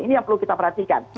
ini yang perlu kita perhatikan